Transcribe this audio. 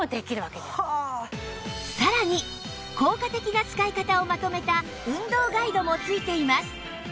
さらに効果的な使い方をまとめた運動ガイドも付いています